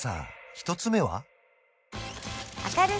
１つ目は？